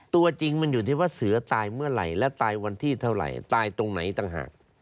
ตัวจริงมันอยู่ที่ว่าเสือตายเมื่อไหร่และตายวันที่เท่าไหร่ตายตรงไหนต่างหาก